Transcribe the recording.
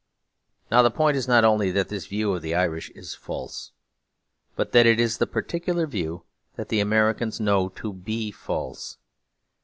Now the point is not only that this view of the Irish is false, but that it is the particular view that the Americans know to be false.